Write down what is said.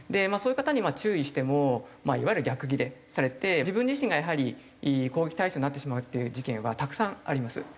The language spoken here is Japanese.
そういう方に注意してもいわゆる逆ギレされて自分自身がやはり攻撃対象になってしまうっていう事件はたくさんあります。